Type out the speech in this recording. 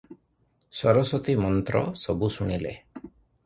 ସରସ୍ୱତୀ ମନ୍ତ୍ର ସବୁ ଶୁଣିଲେ ।